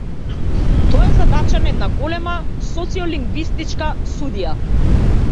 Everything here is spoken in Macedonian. Тоа е задача на една голема социолингвистичка студија.